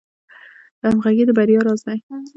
همغږي د بریا راز دی